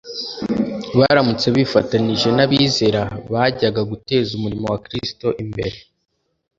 baramutse bifatanije n’abizera, byajyaga guteza umurimo wa kristo imbere